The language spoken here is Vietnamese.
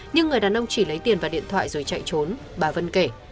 nhưng người đàn ông chỉ lấy tiền vào điện thoại rồi chạy trốn bà vân kể